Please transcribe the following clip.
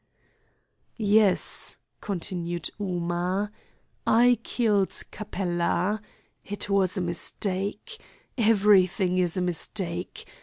"Yes," continued Ooma, "I killed Capella. It was a mistake. Everything is a mistake.